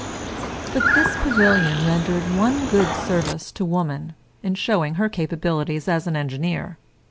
But this pavilion rendered one good service to woman in showing her capabilities as an engineer.